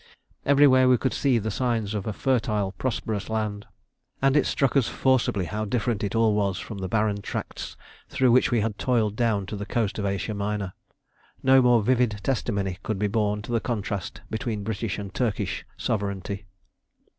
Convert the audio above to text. Everywhere we could see the signs of a fertile prosperous land, and it struck us forcibly how different it all was from the barren tracts through which we had toiled down to the coast of Asia Minor. No more vivid testimony could be borne to the contrast between British and Turkish sovereignty.